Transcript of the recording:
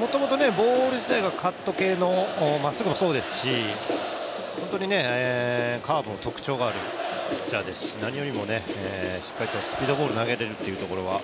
もともとボール自体がカット系の、まっすぐもそうですし本当にカーブに特徴があるピッチャーですし、何よりもしっかりとスピードボールを投げれるというところが。